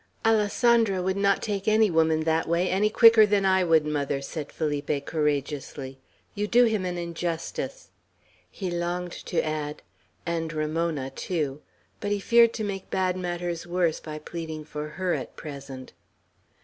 "Alessandro would not take any woman that way any quicker than I would, mother," said Felipe courageously; "you do him injustice." He longed to add, "And Ramona too," but he feared to make bad matters worse by pleading for her at present.